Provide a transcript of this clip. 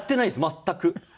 全く。